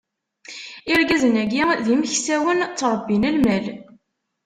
Irgazen-agi d imeksawen, ttṛebbin lmal.